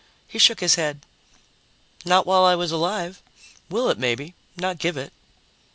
He shook his head. "Not while I was alive. Will it, maybe, not give it."